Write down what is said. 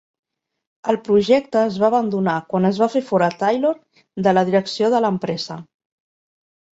El projecte es va abandonar quan es va fer fora Taylor de la direcció de l'empresa.